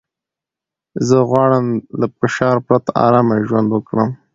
زه غواړم له فشار پرته ارامه ژوند وکړم.